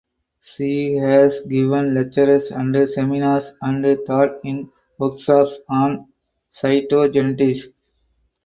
She has given lectures and seminars and taught in workshops on cytogenetics.